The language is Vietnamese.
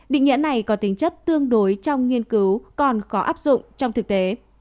định nghĩa này có tính chất tương đối trong nghiên cứu còn khó áp dụng trong thực tế